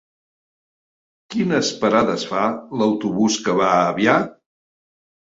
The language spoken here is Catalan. Quines parades fa l'autobús que va a Avià?